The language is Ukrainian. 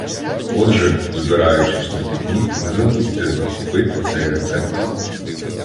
Отже, збираючись на пікнік, не забудьте захопити цей рецепт.